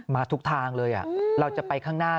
มาทุกทางเลยเราจะไปข้างหน้า